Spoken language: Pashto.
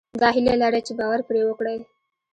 دا هيله لرئ چې باور پرې وکړئ.